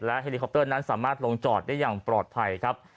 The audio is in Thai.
เฮลิคอปเตอร์นั้นสามารถลงจอดได้อย่างปลอดภัยครับ